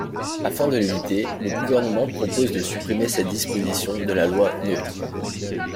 Afin de l’éviter, le Gouvernement propose de supprimer cette disposition de la loi NOTRe.